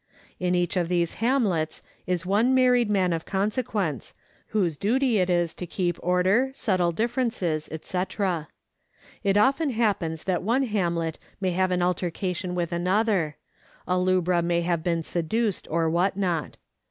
In each of these hamlets is one married man of consequence, whose duty it is to keep order, settle differences, &c. It often happens that one hamlet may have an altercation with another ; a lubra may have been seduced, or what not.